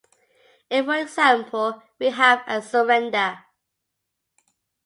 If for example, we have a surrender.